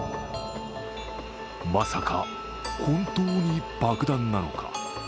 まさか、本当に爆弾なのか。